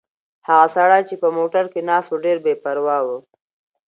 هغه سړی چې په موټر کې ناست و ډېر بې پروا و.